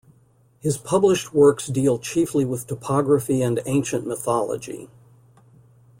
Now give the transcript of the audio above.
His published works deal chiefly with topography and ancient mythology.